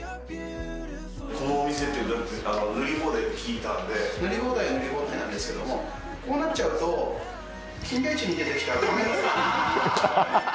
このお店って塗り放題って聞塗り放題は塗り放題なんですけども、こうなっちゃうと、金田一に出てきたスケキヨ。